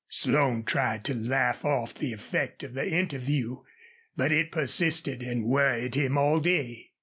Slone tried to laugh off the effect of the interview, but it persisted and worried him all day.